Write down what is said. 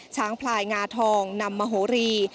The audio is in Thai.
พลายงาทองนำมโหรี